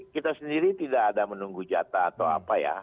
kita sendiri tidak ada menunggu jatah atau apa ya